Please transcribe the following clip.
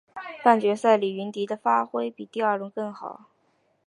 半决赛李云迪的发挥比第二轮更好。